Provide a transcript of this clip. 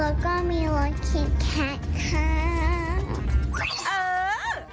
แล้วก็มีรถกิ๊ดแขดค่ะ